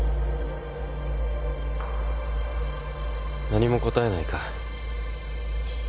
何も答えないか。